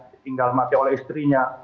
ditinggal mati oleh istrinya